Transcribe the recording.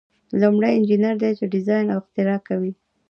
لومړی انجینر دی چې ډیزاین او اختراع کوي.